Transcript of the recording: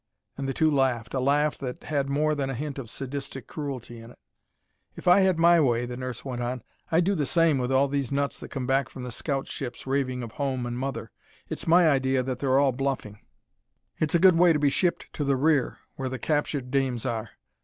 And the two laughed, a laugh that had more than a hint of sadistic cruelty in it. "If I had my way," the nurse went on, "I'd do the same with all these nuts that come back from the scout ships raving of home and mother. It's my idea that they're all bluffing. It's a good way to be shipped to the rear, where the captured dames are.